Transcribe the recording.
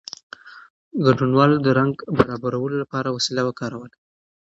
ګډونوالو د رنګ برابرولو لپاره وسیله وکاروله.